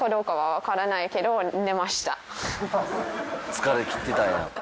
疲れきってたんや。